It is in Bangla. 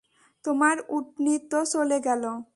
তোমার উটনী তো চলে গেল।